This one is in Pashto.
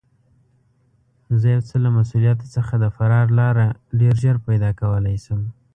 زه یو څه له مسوولیته څخه د فرار لاره ډېر ژر پیدا کولای شم.